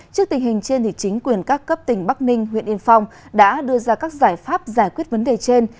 trước tình hình trên chính quyền các cấp tỉnh bắc ninh huyện yên phong đã đưa ra các giải pháp giải quyết vấn đề trên